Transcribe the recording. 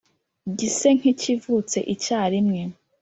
gise nk`ikivutse icyarimwe